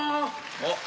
あっ。